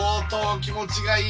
気持ちいい！